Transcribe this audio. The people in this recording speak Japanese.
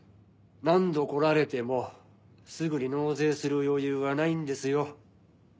何度来られてもすぐに納税する余裕はないんですよ。